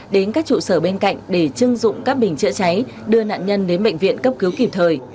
đến các trụ sở bên cạnh để chưng dụng các bình chữa cháy đưa nạn nhân đến bệnh viện cấp cứu kịp thời